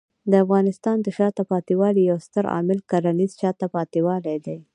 د افغانستان د شاته پاتې والي یو ستر عامل کرنېز شاته پاتې والی دی.